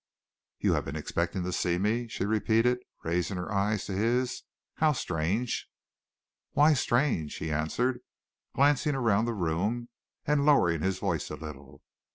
"You have been expecting to see me?" she repeated, raising her eyes to his. "How strange!" "Why strange?" he answered, glancing around the room, and lowering his voice a little.